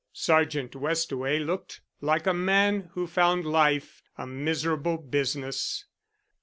Sergeant Westaway looked like a man who found life a miserable business.